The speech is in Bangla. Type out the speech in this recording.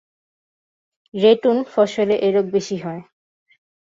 ‘রেটুন’ ফসলে এ রোগ বেশি হয়।